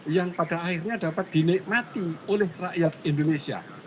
yang pada akhirnya dapat dinikmati oleh rakyat indonesia